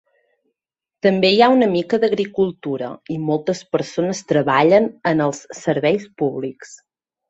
També hi ha una mica d'agricultura, i moltes persones treballen en els serveis públics.